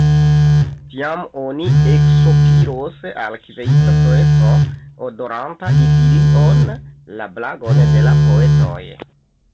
Tiam oni eksopiros al kvieta soleco, odoranta idilion la blagon de la poetoj.